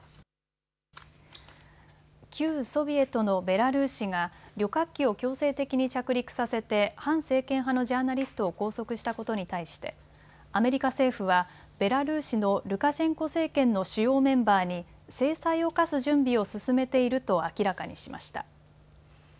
旧ソビエトのベラルーシが旅客機を強制的に着陸させて反政権派のジャーナリストを拘束したことに対してアメリカ政府はベラルーシのルカシェンコ政権の主要メンバーに制裁を科す準備を進めていると明らかにしました。